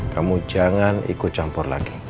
kamu jangan ikut campur lagi